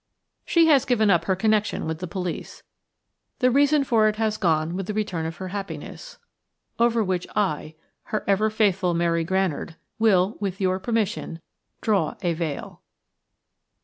She has given up her connection with the police. The reason for it has gone with the return of her happiness, over which I–her ever faithful Mary Granard–will, with your permission, draw a veil.